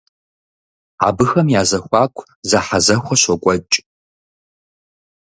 Абыхэм я зэхуаку зэхьэзэхуэ щокӏуэкӏ.